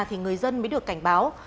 thì người dân mới được cảnh báo